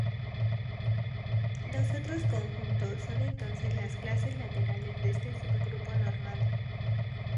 Los otros conjuntos son entonces las clases laterales de este subgrupo normal.